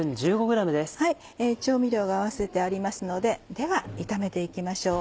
調味料合わせてありますのででは炒めて行きましょう。